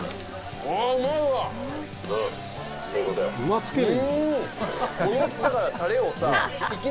うまつけ麺！